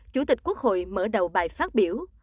chủ tịch quốc hội mở đầu bài phát biểu